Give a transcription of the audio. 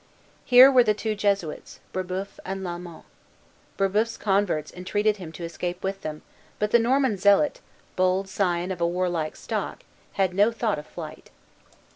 Here were the two Jesuits, Brébeuf and Lalemant. Brébeuf's converts entreated him to escape with them; but the Norman zealot, bold scion of a warlike stock, had no thought of flight.